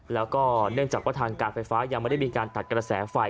แล้วก็เนื่องจากว่าทางการไฟฟ้ายังไม่ได้มีการตัดกระแสไฟ